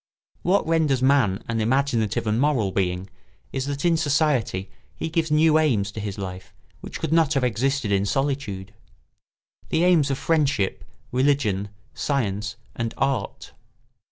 What renders man an imaginative and moral being is that in society he gives new aims to his life which could not have existed in solitude: the aims of friendship, religion, science, and art.